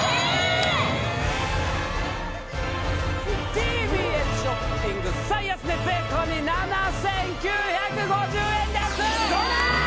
ＴＢＳショッピング最安値税込７９５０円です！